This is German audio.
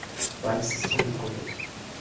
Beides ist unbegründet.